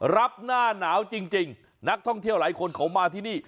รับหน้าหนาวจริงนักท่องเที่ยวหลายคนเขามาที่นี่